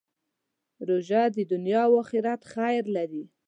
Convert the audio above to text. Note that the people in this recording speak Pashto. روژه د دنیا او آخرت خیر لري.